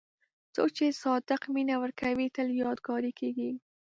څوک چې صادق مینه ورکوي، تل یادګاري کېږي.